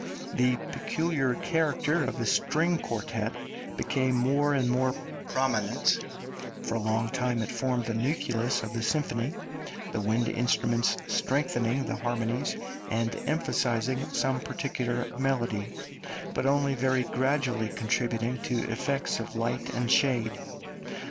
The peculiar character of the string quartet became more and more prominent; for a long time it formed the nucleus of the symphony, the wind instruments strengthening the harmonies and emphasising some particular melody, but only very gradually contributing to effects of light and shade.